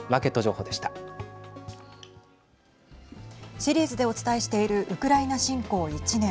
シリーズでお伝えしているウクライナ侵攻１年。